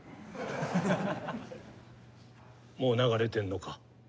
もう流れてんのか？